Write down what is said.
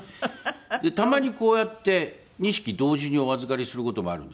たまにこうやって２匹同時にお預かりする事もあるんですね。